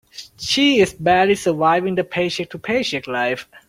She is barely surviving the paycheck to paycheck life.